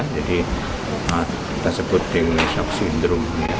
jadi kita sebut dengue shock syndrome